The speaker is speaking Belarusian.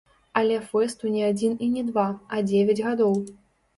Але фэсту не адзін і не два, а дзевяць гадоў.